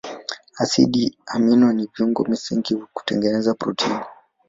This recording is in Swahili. Asidi amino ni viungo msingi vya kutengeneza protini.